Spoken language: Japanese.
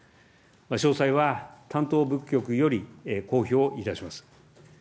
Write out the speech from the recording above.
詳細は担当部局より公表いたします。